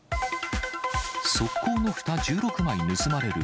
側溝のふた１６枚盗まれる。